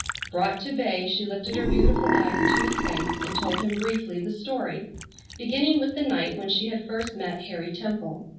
Brought to bay she lifted her beautiful eyes to his face and told him briefly the story, beginning with the night when she had first met Harry Temple.